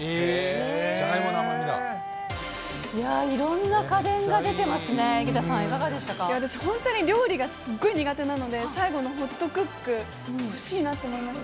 いや、いろんな家電が出てまいや私、本当に料理がすごい苦手なので、最後のホットクック、欲しいなと思いました。